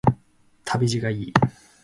旅路がいい